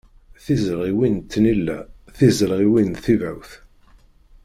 Tizelɣiwin n tnilla, tizelɣiwin n tibawt.